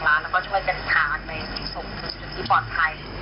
แล้วก็ช่วยกันผ่านไปที่สุขที่ปลอดภัย